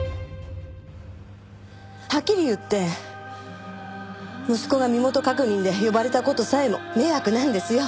はっきり言って息子が身元確認で呼ばれた事さえも迷惑なんですよ。